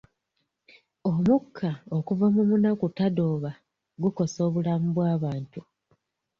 Omukka okuva mu munakutadooba gukosa obulamu bw'abantu.